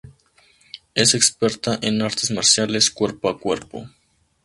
Es experta en artes marciales cuerpo a cuerpo.